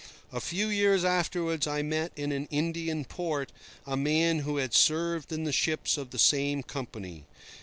A few years afterwards I met in an Indian port a man who had served in the ships of the same company.